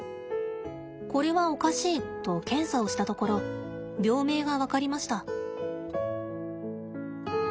「これはおかしい！」と検査をしたところ病名が分かりました。